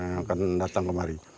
yang akan datang kemari